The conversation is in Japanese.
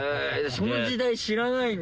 その時代知らないんで。